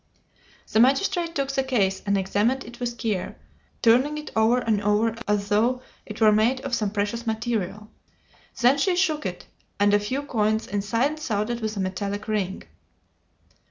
The magistrate took the case and examined it with care, turning it over and over as though it were made of some precious material. Then he shook it, and a few coins inside sounded with a metallic ring.